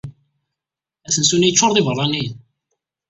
Asensu-nni yeccuṛ d ibeṛṛaniyen.